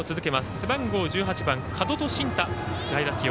背番号１８番、角戸信太代打起用。